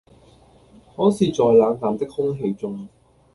可是在冷淡的空氣中，